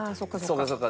そうかそうか。